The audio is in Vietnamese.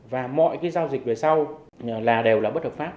và mọi cái giao dịch về sau là đều là bất hợp pháp